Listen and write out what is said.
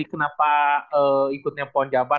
kenapa ikutnya pon jabar